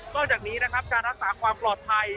จากนี้นะครับการรักษาความปลอดภัย